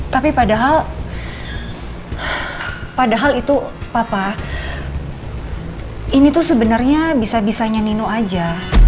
tapi padahal padahal itu papa ini tuh sebenarnya bisa bisanya nino aja